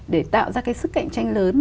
để tạo ra cái sức cạnh tranh lớn